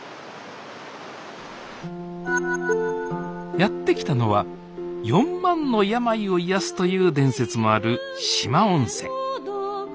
やって来たのは四万の病を癒やすという伝説もある四万温泉。